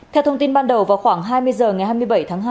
theo thông tin ban đầu vào khoảng hai mươi h ngày hai mươi bảy tháng hai